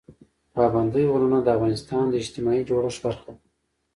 پابندی غرونه د افغانستان د اجتماعي جوړښت برخه ده.